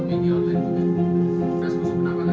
kami bertanya ke kerjasama sse